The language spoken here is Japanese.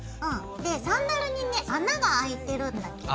でサンダルにね穴があいてるんだけど。